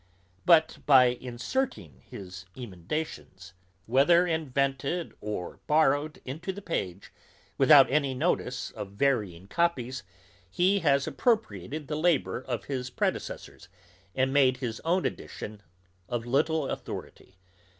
But, by inserting his emendations, whether invented or borrowed, into the page, without any notice of varying copies, he has appropriated the labour of his predecessors, and made his own edition of little authority.